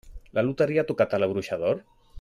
La loteria ha tocat a La bruixa d'or?